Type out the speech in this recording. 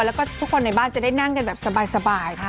แล้วก็ทุกคนในบ้านจะได้นั่งกันแบบสบาย